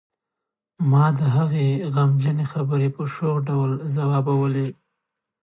ما د هغې غمجنې خبرې په شوخ ډول ځوابولې